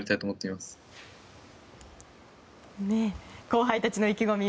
後輩たちの意気込み